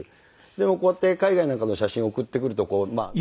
でもこうやって海外なんかの写真を送ってくると。